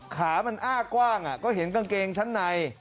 ขามันอ้ากว้างก็เห็นกางเกงชั้นใน